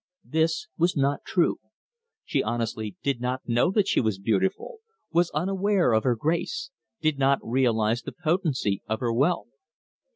This was not true. She honestly did not know that she was beautiful; was unaware of her grace; did not realize the potency of her wealth.